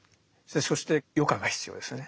そして余暇が必要ですよね。